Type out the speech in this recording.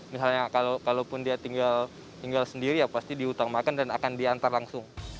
nah kalaupun dia tinggal sendiri ya pasti diutang makan dan akan diantar langsung